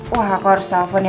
wah aku harus telpon ya